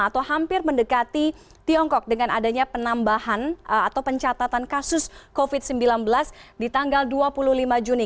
atau hampir mendekati tiongkok dengan adanya penambahan atau pencatatan kasus covid sembilan belas di tanggal dua puluh lima juni